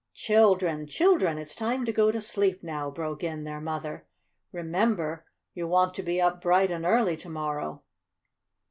"Children, children! It's time to go to sleep now," broke in their mother. "Remember, you'll want to be up bright and early to morrow."